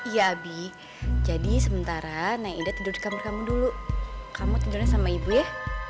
iya abi jadi sementara naida tidur di kamar kamu dulu kamu tidurnya sama ibu ya